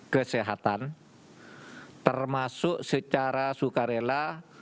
kesehatan termasuk secara sukarela